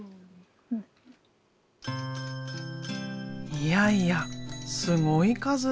いやいやすごい数です。